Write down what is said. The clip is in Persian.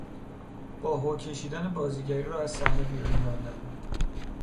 با هو کشیدن بازیگری را از صحنه بیرون راندن